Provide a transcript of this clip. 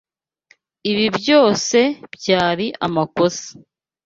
Ibi byose byari amakosa.